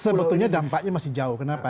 sebetulnya dampaknya masih jauh kenapa